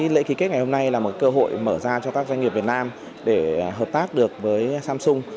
lễ ký kết ngày hôm nay là một cơ hội mở ra cho các doanh nghiệp việt nam để hợp tác được với samsung